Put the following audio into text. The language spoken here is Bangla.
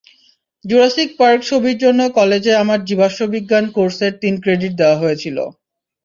জুরাসিক পার্ক ছবির জন্য কলেজে আমাকে জীবাশ্মবিজ্ঞান কোর্সের তিন ক্রেডিট দেওয়া হয়েছিল।